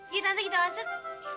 yuk tante kita masuk